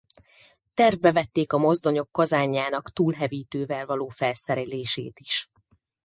Tervbe vették a mozdonyok kazánjának túlhevítővel való felszerelését is.